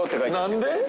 何で？